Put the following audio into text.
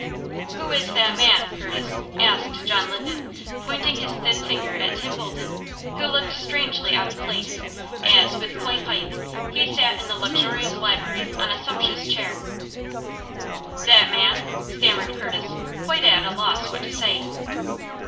"Who is that man, Curtis?" asked John Linden, pointing his thin finger at Tim Bolton, who looked strangely out of place, as, with clay pipe, he sat in the luxurious library on a sumptuous chair. "That man?" stammered Curtis, quite at a loss what to say.